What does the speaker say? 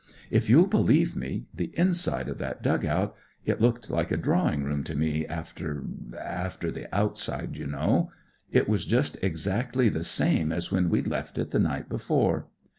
If you'll believe me, the inside of that dug out— it looked like a drawing room to me after— after the outside, you know— it was just exactly the same as when we'd left it the night before.